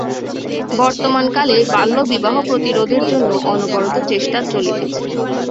বর্তমানকালে বাল্যবিবাহ প্রতিরোধের জন্য অনবরত চেষ্টা চলিতেছে।